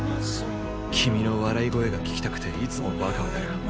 君の笑い声が聞きたくていつもバカをやる。